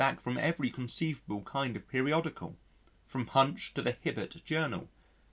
back from every conceivable kind of periodical, from Punch to the Hibbert Journal.